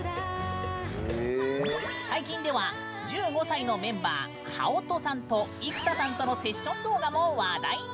最近では、１５歳のメンバー葉音さんと幾田さんとのセッション動画も話題に。